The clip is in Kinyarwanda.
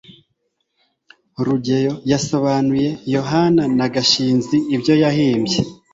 rugeyo yasobanuye yohana na gashinzi ibyo yahimbye